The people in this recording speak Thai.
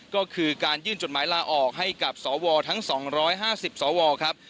ก็คือการยื่นจดหมายลาออกให้กับสวทั้ง๒๕๐สวครับ